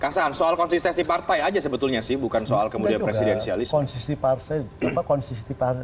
kasar soal konsistensi partai saja sebetulnya sih bukan soal kemudian presidensialisme